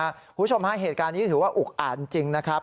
คุณผู้ชมฮะเหตุการณ์นี้ถือว่าอุกอ่านจริงนะครับ